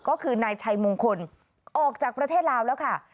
ก็คือนายชัยมงคลออกจากประเทศลาวแล้วค่ะ